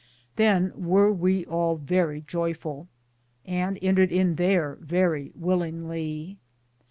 Than weare we all verrie joyfull, and entred in thare verrie willingly.